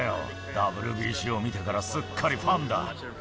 ＷＢＣを見てからすっかりファンだ。